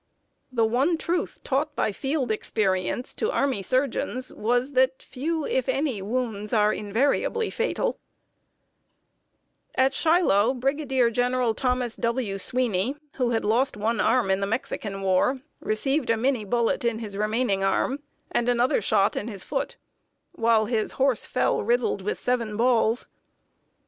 The one truth, taught by field experience to army surgeons, was that few, if any, wounds are invariably fatal. [Sidenote: A GALLANT FEAT BY SWEENEY.] At Shiloh, Brigadier General Thomas W. Sweeney, who had lost one arm in the Mexican War, received a Minié bullet in his remaining arm, and another shot in his foot, while his horse fell riddled with seven balls.